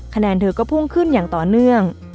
เธอก็พุ่งขึ้นอย่างต่อเนื่อง